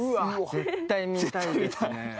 絶対見たいですね